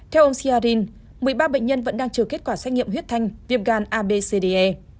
theo ông siarin một mươi ba bệnh nhân vẫn đang chờ kết quả xét nghiệm huyết thanh viêm gan abcd